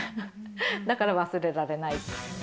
だから忘れられない。